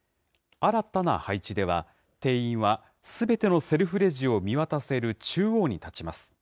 新たな配置では、店員はすべてのセルフレジを見渡せる中央に立ちます。